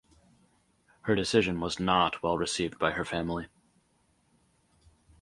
Her decision was not well received by her family.